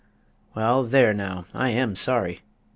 Well, there, now, I am sorry.